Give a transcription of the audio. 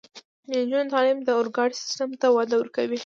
د نجونو تعلیم د اورګاډي سیستم ته وده ورکوي.